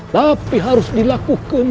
tapi harus dilakukan